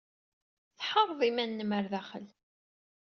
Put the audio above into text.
Tḥeṛṛed iman-nnem ɣer daxel.